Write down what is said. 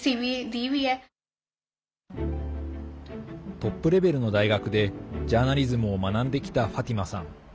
トップレベルの大学でジャーナリズムを学んできたファティマさん。